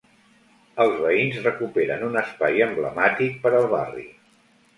Els veïns recuperen un espai emblemàtic per al barri.